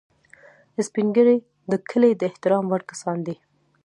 سپین ږیری د کلي د احترام وړ کسان دي